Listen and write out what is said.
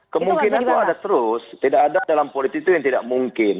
kemungkinan itu ada terus tidak ada dalam politik itu yang tidak mungkin